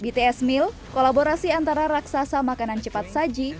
bts meal kolaborasi antara raksasa makanan cepat saji